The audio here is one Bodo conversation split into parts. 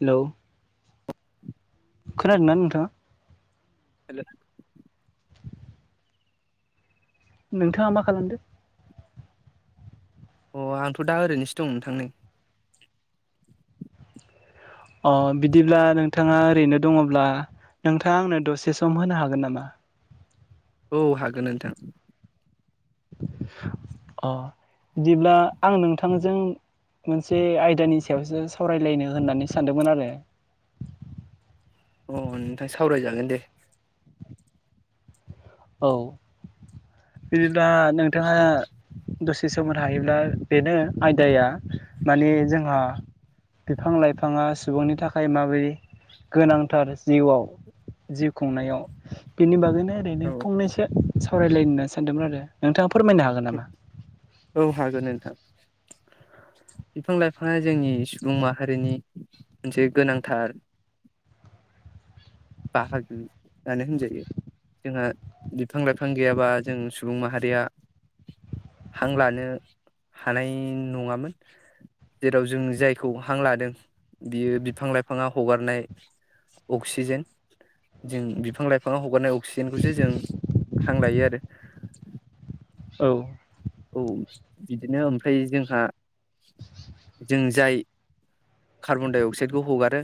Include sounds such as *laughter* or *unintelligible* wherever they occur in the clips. हेलौ *unintelligible* खोनादों ना नोंथाङा हेल नोंथाङा मा खालामदो अ आंथ' दाओरैनोसो दं नोंथां नै अ बिदिब्ला नोंथाङा ओरैनो दङब्ला नोंथाङा आंनो दसे सम होनो हागोन नामा औ हागोन नोंथां अ बिदिब्ला आं नोंथांजों मोनसे आयदानि सायावसो सावरायलायनो होननानै सानदोंमोन आरो अ नोंथां सावरायजागोन दे औ बिदिबा नोंथाङा दसे समोमोननो हायोब्ला बेनो आयदाया माने जोंहा बिफां लाइफाङा सुबुंनि थाखाय माबादि गोनांथार जिउआव जिउ खुंनायाव बिनि बागैनो ओरै औ फंनैसो सावरायलायनो सानदोंमोन आरो नोंथाङा फोरमायनो हागोन नामा औ हागोन नोंथां बिफां लाइफाङा जोंनि सुबुं माहारिनि मोनसे गोनांथार बाहागोआनो होनजायो जोंहा बिफां लाइफां गैयाबा जों सुबुं माहारिया हां लानो हानाय नङामोन जेराव जों जायखौ हां लादों बियो बिफां लाइफाङा हगारनाय अक्सिजेन जों बिफां लाइफाङाव हगारनाय अक्सिजेनखौसो जों हां लायो आरो औ औ बिदिनो ओमफ्राय जोंहा जों जाय कार्बन डाइ अक्साइदखौ हगारो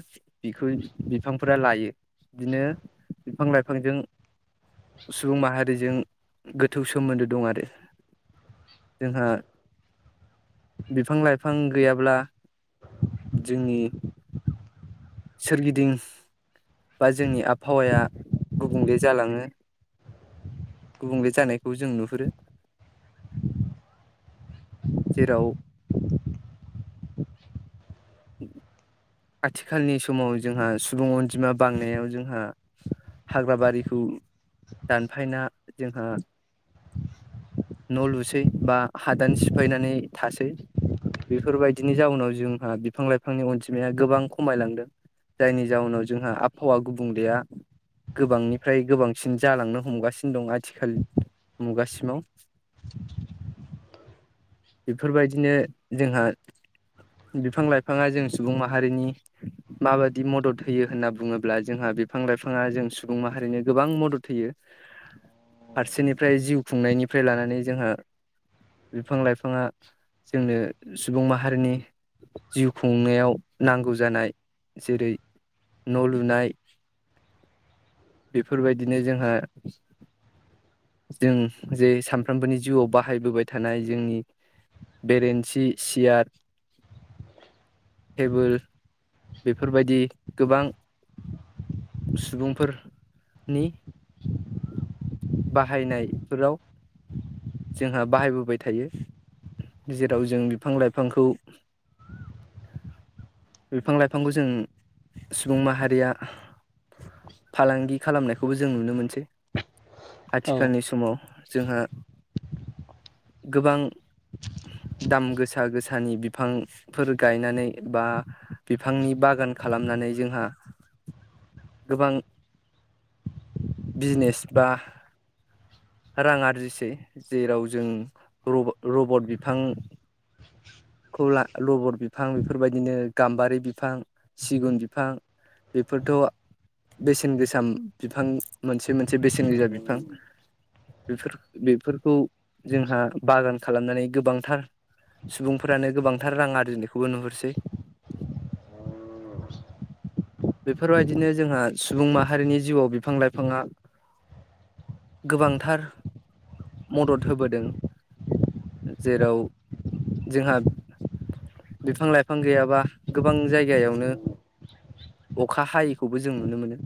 बिखौ बिफांफोरा लायो बिदिनो बिफां लाइफांजों सुबुं माहारिजों गोथौ सोमोन्दो दं आरो जोंहा बिफां लाइफां गैयाब्ला जोंनि सोरगिदिं बा जोंनि आबहावाया गुबुंले जालाङो गुबुंले जानायखौ जों नुहुरो जेराव आथिखालनि समाव जोंहा सुबुं अनजिमा बांनायाव जोंहा हाग्रा बारिखौ दानफायना जोंहा न' लुसै बा हादान सिफायनानै थासै बेफोरबायदिनि जाउनाव जोंहा बिफां लाइफांनि अनजिमाया गोबां खमायलांदों जायनि जाउनाव जोंहा आबहावा गुबुंलेया गोबांनिफ्राय गोबांसिन जालांनो हमगासिनो दं आथिखाल मुगासिमाव *unintelligible* बेफोरबायदिनो जोंहा बिफां लाइफाङा जों सुबुं माहारिनि माबायदि मदद होयो होनना बुङोब्ला जोंहा बिफां लाइफाङा जों सुबुं माहारिनो गोबां मदद होयो *inaudible* फारसेनिफ्राय जिउ खुंनायनिफ्राय लानानै जोङो बिफां-लाइफाङा जोंनो सुबुं माहारिनि जिउ खुंनायाव नांगौ जानाय जेरै न' लुनाय बेफोर बायदिनो जोंहा जों जे सानफ्रोमबोनि जिउआव बाहायबोबाय थानाय जोंनि बेरेन्सि सियार टेबोल बेफोर बायदि गोबां सुबुंफोरनि बाहायनायफोराव जोंहा बाहायबोबाय थायो। जेराव जों बिफां लाइफांखौ बिफां-लाइफांखौ जों सुबुं माहारिया फालांगि खालामनायखौबो जों नुनो मोनसै। औ आथिखालनि समाव जोंहा गोबां दाम गोसा-गोसानि बिफां फोर गायनानै बा बिफांनि बागान खालामनानै जोंहा गोबां बिजनेस बा रां आरजिसै जेराव जों रबट रबट बिफां खौ ला लबर बिफां बेफोर बायदिनो गाम्बारि बिफां, सिगुन बिफां बेफोरथ' बेसेन गोसााशम बिफां मोनसे मोन से बेसेन गोजा बिफां बेफो- बेफोरखौ जोंहा बागान खालामनानै गोबांथार सुबुंफोरानो गोबांथार रां आरजिनायखौबो नुहरसै। *inaudible* बेफोर बायदिनो जोंहा सुबुं माहारिनि जिउआव बिफां-लाइफाङा गोबांथार मदद होबोदों। जेराव जोंहा बिफां-लाइफां गैयाबा गोबां जायगायावनो अखा हायैखौबो जों नुनो मोनो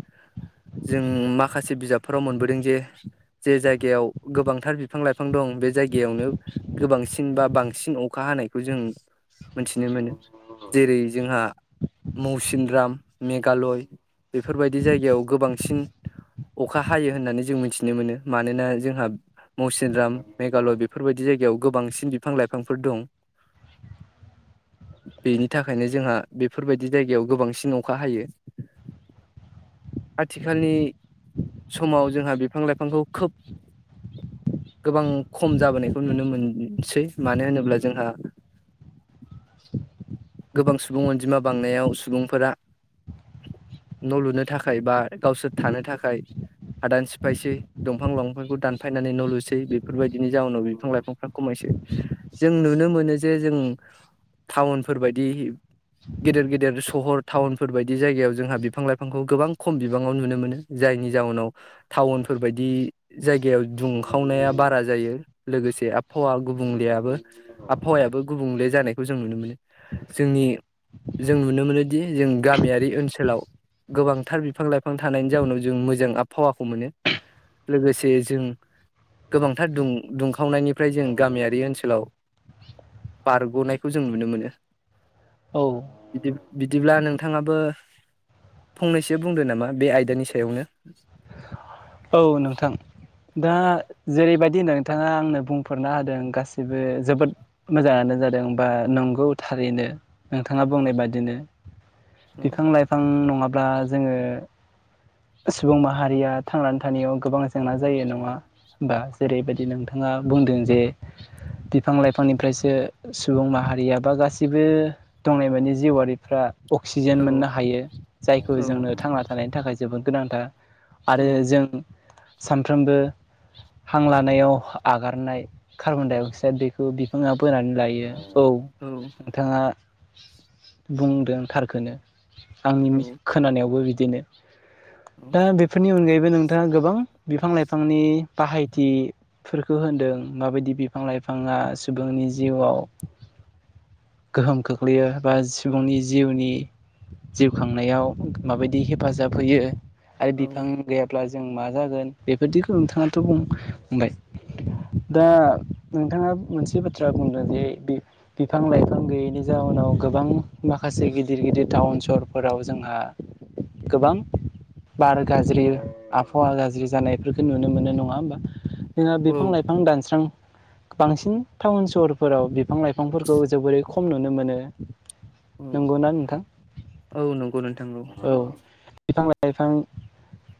जों माखासे बिजाबफोराव मोनबोदों जे जे जायगायाव गोबांथार बिफां-लाइफां दं बे जायगायावनो गोबांसिन बा बांसिन अखा हानायखौ जों मोनथिनो मोनो जेरै जोंहा मौसिनराम, मेघालय बेफोर बायदि जायगायाव गोबांसिन अखा हायो होननानै जों मिथिनो मोनो मानोना जोंहा मौसिनराम मेघालय बेफोर बायदि जायगायाव गोबांसिन बिफां-लाइफांफोर दं। *inaudible* बेनि थाखायनो जोंहा बेफोर बायदि जायगायाव गोबांसिन अखा हायो। आथिखालनि समाव जोंहा बिफां-लाइफांखौ खोब गोबां खम जाबोनायखौ नुनो मोनसै मानो होनोब्ला जोंहा *inaudible* गोबां सुबुं अनजिमा बांनायाव सुबुंफोरा न' लुनो थाखाय बा गावसोर थानो थाखाय हादाननि सिफाइसै। दंफां- लांफांखौ दानफायनानै न' लुसै बेफोर बायदिनि जाउनाव बिफां-लाइफांफ्रा खमायसै। जों नुनो मोनो जे जों टाउनफोर बायदि गेदेर-गेदेर सहर टाउनफोर बायदि जायगायाव जोंहा बिफां-लाइफांखौ गोबां खम बिबाङाव नुनो मोनो जायनि जाउनाव टाउनफोर बायदि जायगायाव दुंखावनाया बारा जायो लोगोसे आबहावा गुबुंलेया बो आबहावायाबो गुबुंले जानायखौ जों नुनो मोनो जोंनि जों नुनो मोनोदि जों गामियारि ओनसोलाव गोबांथार बिफां लाइफां थानायनि जाउनाव जों मो जों आबहावाखौ मोनो लोगोसे जों गोबांथार दुं दुंखावनायनि ओमफ्राय जों गामियारि ओनसोलाव बारग'नायखौ जों नुनो मोनो। औ बिदिब बिदिब्ला नोंथाङाबो फंनैसो बुंदो नामा? बे आयदानि सायावनो *inaudible* औ नोंथां दा जेरैबायदि नोंथाङा आंनो बुंफोरना होदों। गासिबो जोबोद मोजाङानो जादों बा नंगौ थारैनो नोंथाङा बुंनाय बादिनो औ बिफां लाइफां नङाब्ला जोङो सुबुं माहारिया थांनानै थानायाव गोबां जेंना जायो। नङा बा जेरैबायदि नोंथाङा बुंदों जे बिफां लाइफांनिफ्रायसो सुबुं माहारिया बा गासिबो दंनाय मानि जिउआरिफ्रा अक्सिजेन औ मोननो हायो। जायखौ औ जोंनो थांना थानायनि थाखाय जोबोद गोनांथार। आरो औ जों सानफ्रोमबो हां लानायाव आगारनाय कार्बन डाइ अक्साइड बे बिफाङा बोनानै लायो। औ नोंथाङा बुंदों थारखोनो आंनि औ खोनानायावबो बिदिनो। औ दा बेफोरनि अनगायैबो नोंथाङा गोबां बिफां लाइफांनि बाहायथि फोरखो होनदों माबायदि बिफां लाइफाङा सुबुंनि जिउआव गोहोम खोख्लैयो बा सुबुंनि जिउनि जिउ खांनायाव माबायदि हेफाजाब होयो आरो बिफां गैयाब्ला जों मा जागोन? बेफोरदिखौ नोंथाङाथ' बुं बुंबाय दा नोंथाङा मोनसे बाथ्रा बुंदों जे बि बिफां लाइफां गैयैनि जाउनाव गोबां माखासे गिदिर गिदिर टाउन सहरफोराव जोंहा गोबां बार गाज्रि आबहावा गाज्रि जानायफोरखौ नुनो मोनो नङा होमबा? जोंङो औ बिफां लाइफां दानस्रां बांसिन टाउन सहरफोराव बिफां लाइफांफोरखौ जोबोरै खम नुनो मोनो। औ नंगौना नोंथां? औ नंगौ नोंथां औ। बिफां लाइफां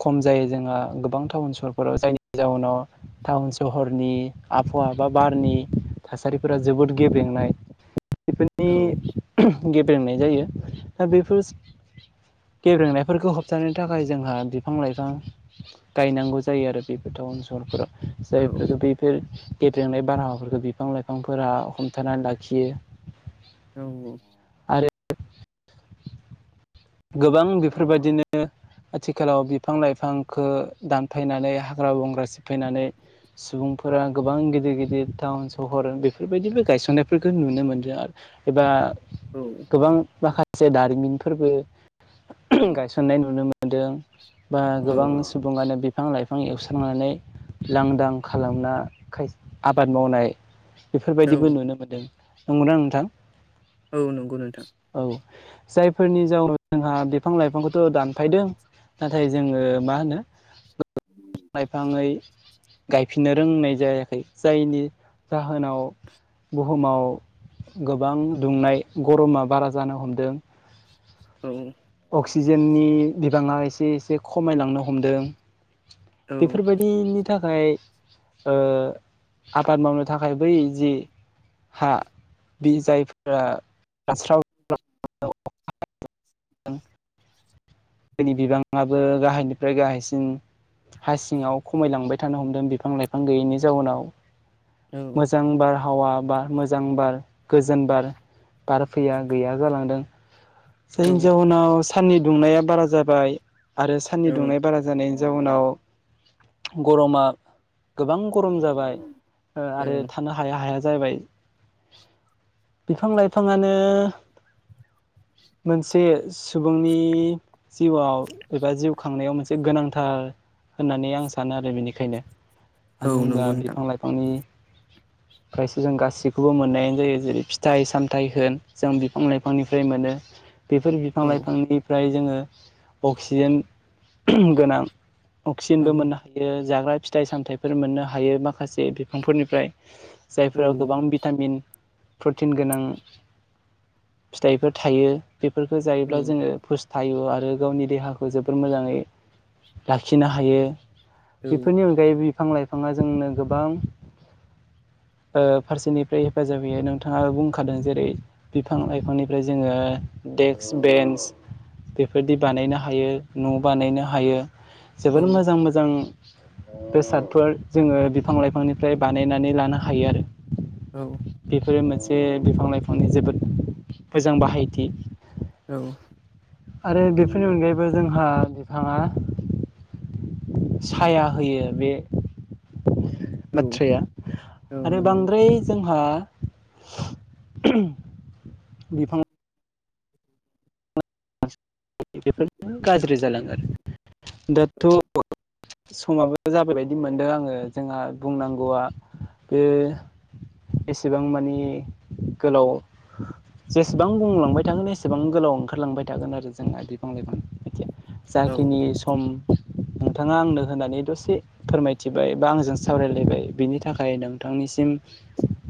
खम जायो। जोंहा गोबां टाउन सहरफोराव जायनि जाउनाव टाउन सहरनि आबहावा बा बारनि थासारिफोरा जोबोद गेब्रेंनाय। औ बेफोरनि गेब्रेंनाय जायो। दा बेफोर गेब्रेंनाय फोरफोरखौ होबथानो थाखाय जोंहा बिफां लाइफां गायनांगौ जायो आरो बेफोर टाउन सहरफोराव। औ जायफोरफोरखौ बैफोर गेद्रेंनाय बारहावाफोरखौ बिफां लाइफांफोरा हमथानानै लाखियो। औ औ आरो गोबां बिफोरबादिनो आथिखालाव बिफां लाइफांखो दानफायनानै हाग्रा बंग्रा सिफायनानै सुबुंफोरा गोबां गिदिर गिदिर टाउन सहर बेफोरबायदिबो गायसननायफोरखो नुनो मोन्दों आरो। एबा औ गोबां माखासे दारिमिनफोरबो गायसननाय नुनो मोनदों बा गोबां सुबुङानो बिफां लाइ बिफां एवस्रांनानै लांदां खालामना खाय आबाद मावनाय। बेफोरबायदिबो नुनो मोन्दों नंगौदा नोंथां। औ नंगौ नोंथां। औ जायफोरनि जाउनाव जोंहा बिफां लाइफांखौथ' दानफायदों। नाथाय जोङो मा होनो लाइफांङै गायफिननो रोंनाय जायाखै जायनि जाहोनाव बुहुमाव गोबां दुंनाय गरमा बारा जानो हमदों औ अक्सिजेननि बिबाङा एसे एसे खमायलांनो हमदों औ बेफोरबायदिनि थाखाय आबाद मावनो थाखाय बै जि हा बि जायफोरा हास्रव *unintelligible* गोदोनि बिबाङाबो गाहायनिफ्राय गाहायसिन हा सिङाव खमायलांबाय थानो हमदों बिफां लाइफां गैयैनि जाउनाव औ मोजां बार हावा बा मोजां बार गोजोन बार बार फैया गैया जालांदों औ जायनि जाहोनाव साननि दुंनाया बारा जाबाय आरो साननि औ दुंनाय बारा जानायनि जाउनाव गरमा गोबां गरम जाबाय आरो थानो हाया हाया जाहैबाय बिफां लाइफाङानो मोनसे सुबुंनि जिउआव एबा जिउ खांनायाव मोनसे गोनांथार होननानै आं सानो आरो बेनिखायनो औ मानो होनबा नंगौ नोंथां बिफां लाइफांनि *inaudible* फ्रायसो जों गासैखौबो मोननायानो जायो जेरै फिथाइ सामथाइ होन जों बिफां लाइफांनिफ्राय मोनो बेफोर बिफां लाइफांनिफ्राय जोङो अक्सिजेन गोनां अक्सिजेनबो औ मोननो हायो जाग्रा फिथाइ सामथाइफोर मोननो हायो माखासे बिफांफोरनिफ्राय औ औ जायफोराव औ गोबां भिटामिन प्रटिन गोनां फिथाइफोर थायो बेफोरखौ औ जायोब्ला जोङो थायो आरो गावनि देहाखौ जोबोर मोजाङै लाखिनो हायो बेफोरनि अनगायै बिफां लाइफाङा जोंनो गोबां ओ फारसेनिफ्राय हेफाजाब होयो नोंथाङा बुंखादों जेरै बिफां लाइफांनिफ्राय जोङो देक्स बेन्स बेफोरदि बानायनो हायो न' बानायनो हायो जोबोर मोजां मोजां बेसादफोर जोङो बिफां लाइफांनिफ्राय बानायनानै लानो हायो आरो बेफोरो मोनसे बिफां लाइफांनि जोबोद मोजां बाहायथि औ आरो बेफोरनि अनगायैबो जोंहा बिफाङा साया होयो बे नंगौ बाथ्राया आरो नोंथां बांद्राय जोंहा बिफां बेफोर गाज्रि जालाङो आरो दाथ' समाबो जाबाय बायदि मोनदों आङो जोंहा बुंनांगौआ बे एसेबां मानि गोलाव जेसेबां बुंलांबाय थागोन एसेबां गोलाव ओंखारलांबाय थागोन आरो जोंहा बिफां लाइफांथिया जाखिनि सम नोंथाङा आंनो होननानै दसे फोरमायथिबाय बा आंजों सावरायलायबाय बिनि थाखाय नोंथांनिसिम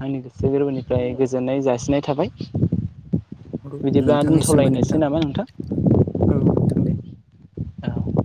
आंनि गोसो गोरबोनिफ्राय गोजोननाय जासिनाय थाबाय औ बिदिब्ला नोंथांनिसिमबो दोनथ'लायनोसै नामा नोंथां औ नोंथां दे औ